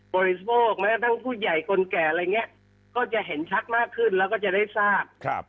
บริโภคแม้ทั้งผู้ใหญ่คนแก่อะไรอย่างนี้ก็จะเห็นชัดมากขึ้นแล้วก็จะได้ทราบ